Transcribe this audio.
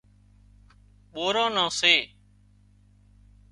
ٻوران نان سي